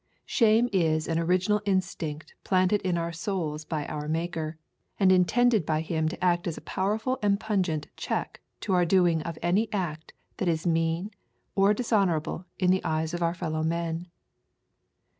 Shame is an original instinct planted in our souls by our Maker, and intended by Him to act as a powerful and pungent check to our doing of any act that is mean or dishonourable in the eyes of our fellow men.